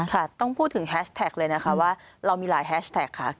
ค่ะต้องพูดถึงแฮชแท็กเลยนะคะว่าเรามีหลายแฮชแท็กค่ะ